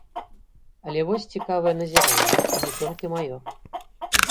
Але вось цікавае назіранне, і не толькі маё.